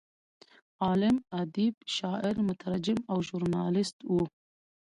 عالم، ادیب، شاعر، مترجم او ژورنالست و.